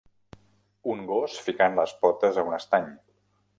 Un gos ficant les potes a un estany